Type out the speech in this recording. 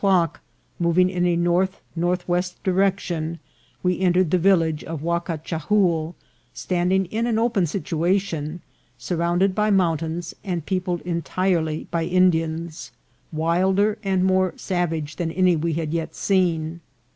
o'clock, moving in a north northwest direction, we en tered the village of Huacachahoul, standing in an open situation, surrounded by mountains, and peopled entire ly by Indians, wilder and more savage than any we had yet seen.